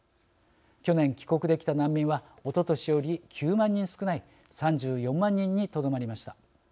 去年帰国できた難民はおととしより９万人少ない３４万人にとどまりました。